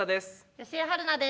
吉江晴菜です。